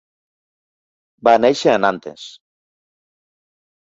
Va néixer a Nantes.